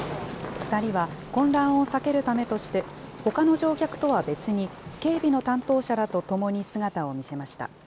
２人は混乱を避けるためとして、ほかの乗客とは別に、警備の担当者らと共に姿を見せました。